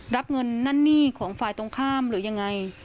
รับเงินนั่นหนี้ของฝ่ายตรงข้ามหรือยังไง